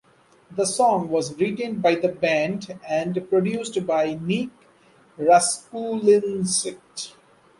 The song was written by the band and produced by Nick Raskulinecz.